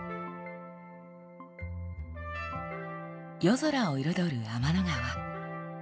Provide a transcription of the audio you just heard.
夜空を彩る天の川。